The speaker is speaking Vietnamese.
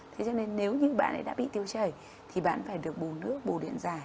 thế cho nên nếu như bạn ấy đã bị tiêu chảy thì bạn phải được bù nước bù điện dài